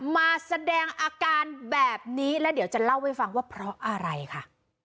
มาแสดงอาการแบบนี้แล้วเดี๋ยวจะเล่าให้ฟังว่าเพราะอะไรค่ะ